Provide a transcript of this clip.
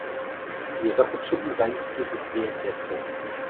Je zapotřebí zajistit dvě věci.